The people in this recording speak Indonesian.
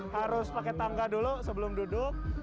harus pakai tangga dulu sebelum duduk